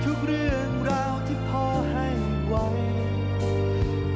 ทุกเรื่องราวที่พ่อให้ไว้